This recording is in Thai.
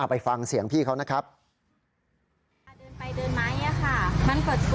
ต่างชาติมันก็อันตรายกับเขา